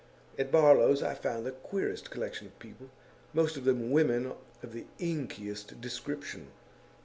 At Barlow's I found the queerest collection of people, most of them women of the inkiest description.